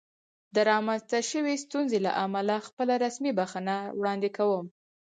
د رامنځته شوې ستونزې له امله خپله رسمي بښنه وړاندې کوم.